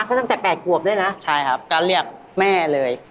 พี่นุ๊ยกันน้ำปุ๊บเรียกแม่ปุ๊บ